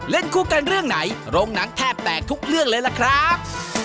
เล่นคู่กันเรื่องไหนโรงหนังแทบแตกทุกเรื่องเลยล่ะครับ